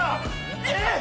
えっ！